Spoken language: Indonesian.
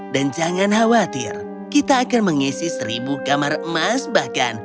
jangan khawatir kita akan mengisi seribu kamar emas bahkan